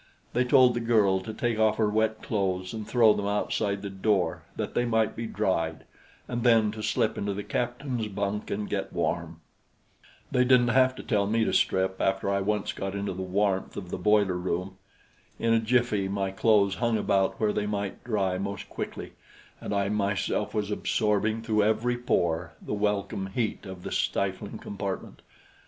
They told the girl to take off her wet clothes and throw them outside the door that they might be dried, and then to slip into the captain's bunk and get warm. They didn't have to tell me to strip after I once got into the warmth of the boiler room. In a jiffy, my clothes hung about where they might dry most quickly, and I myself was absorbing, through every pore, the welcome heat of the stifling compartment.